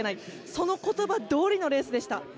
その言葉どおりのレースでした。